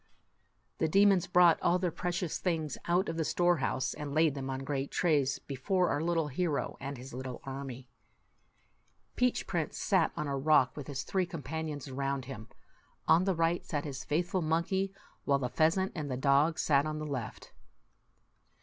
The demons brought all their precious things out of the storehouse, and laid them on great trays before our little hero and his little army. Peach Prince sat on a rock, with his three companions around him. On the right sat his faithful monkey, while the pheasant and the dog sat on the left.